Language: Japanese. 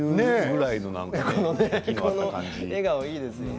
笑顔、いいですよね。